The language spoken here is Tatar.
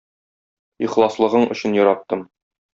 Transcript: Ихласлыгың өчен яраттым!